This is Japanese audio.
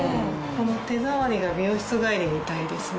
手触りが美容室帰りみたいですね。